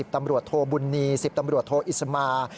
ตำรวจโทบุญนี๑๐ตำรวจโทอิสมา